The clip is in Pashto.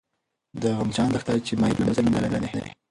د خمچان دښته، چې ما یې په لومړي ځل نوم اورېدی دی